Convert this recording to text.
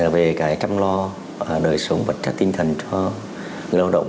về cái chăm lo đời sống vật chất tinh thần cho người lao động